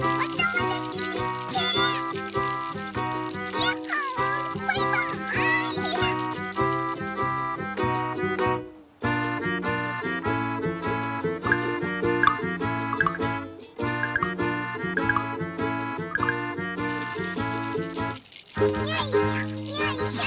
よいしょ。